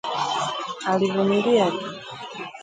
Alivumilia tu